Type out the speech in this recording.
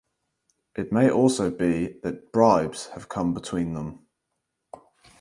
It may also be that bribes have come between them.